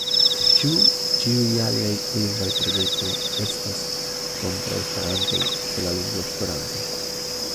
Ĉu ĉiuj aliaj lingvaj projektoj estas kontraŭstarantoj de la lingvo Esperanto?